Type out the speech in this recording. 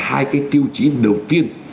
hai cái tiêu chí đầu tiên